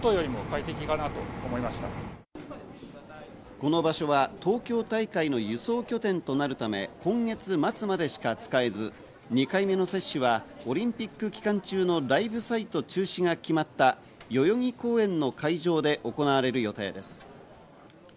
この場所は東京大会の輸送拠点となるため今月末までしか使えず、２回目の接種はオリンピック期間中のライブサイト中止が決まった代々木公園の会場で行われる予定です。